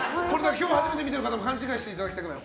今日、初めて見てる方も勘違いしてほしくない。